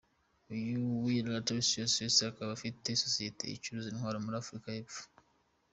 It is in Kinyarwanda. Uyu Willem Tertius Ehlers akaba afite sosiyete icuruza intwaro muri Afurika y’Epfo.